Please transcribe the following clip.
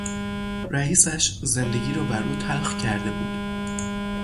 رئیسش زندگی را بر او تلخ کرده بود.